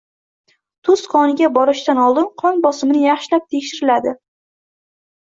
Tuz koniga borishdan oldin qon bosimini yaxshilab tekshiriladi.